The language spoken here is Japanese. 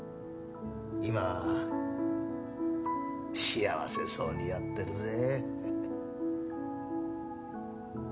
今は幸せそうにやってるぜ。